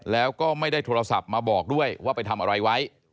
แล้วก็ไม่ได้โทรศัพท์มาบอกด้วยว่าไปทำอะไรไว้